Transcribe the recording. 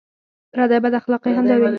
پردۍ بداخلاقۍ همدا وې.